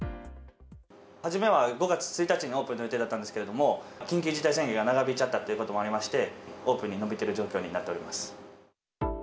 初めは５月１日にオープンの予定だったんですけれども、緊急事態宣言が長引いちゃったということもありまして、オープンが延びている状況になっております。